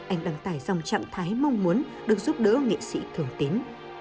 anh đang tài dòng trạng thái mong muốn được giúp đỡ nghệ sĩ thương tín